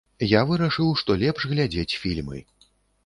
Я вырашыў, што лепш глядзець фільмы.